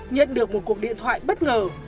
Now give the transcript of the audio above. nhận được một cuộc điện thoại bất ngờ